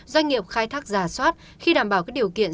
doanh nghiệp khai thác giả soát khi đảm bảo các điều kiện